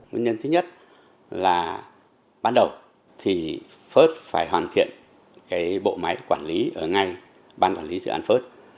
nguyên nhân thứ nhất là bắt đầu thì first phải hoàn thiện cái bộ máy quản lý ở ngay ban quản lý dự án first